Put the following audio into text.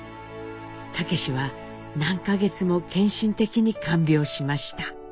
武は何か月も献身的に看病しました。